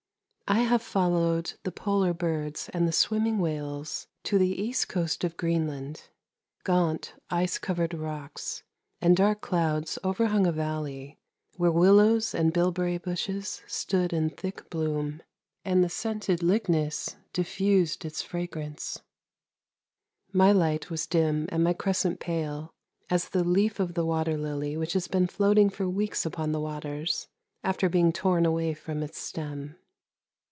" I have followed the polar birds and the swimming whales to the east coast of Green land. Gaunt ice covered rocks, and dark clouds overhung a valley where willows and bilberry bushes stood in thick bloom, and the scented lychnis diffused its fragrance ; my light was dim and my crescent pale as the leaf of the water lily which has been floating for weeks upon the waters after being torn away from its stem.